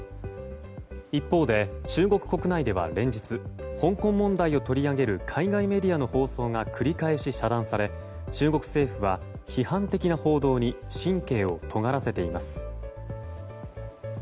一方で中国国内では連日香港問題を取り上げる海外メディアの放送が繰り返し遮断され中国政府は批判的な報道に神経をとがらせています。